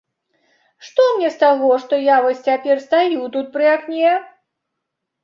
Што мне з таго, што я вось цяпер стаю тут пры акне?